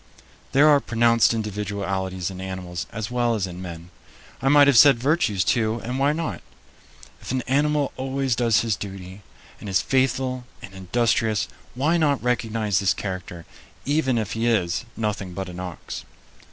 There are pronounced individualities in animals as well as in men. I might have said virtues, too and why not? If an animal always does his duty and is faithful and industrious, why not recognize this character, even if he is "nothing but an ox"?